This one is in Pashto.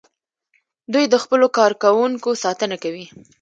دوی د خپلو کارکوونکو ساتنه کوي.